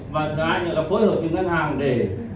và thứ hai nữa là phối hợp với ngân hàng để